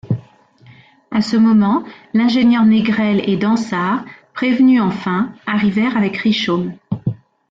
À ce moment, l’ingénieur Négrel et Dansaert, prévenus enfin, arrivèrent avec Richomme.